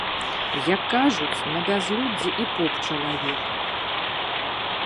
Як кажуць, на бязлюддзі і поп чалавек.